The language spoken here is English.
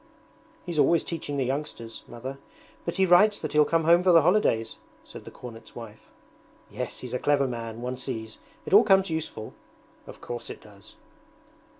'He's always teaching the youngsters. Mother. But he writes that he'll come home for the holidays,' said the cornet's wife. 'Yes, he's a clever man, one sees; it all comes useful.' 'Of course it does.'